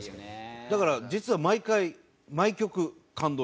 だから実は毎回毎曲感動してます。